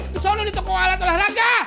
kesona di toko alat olahraga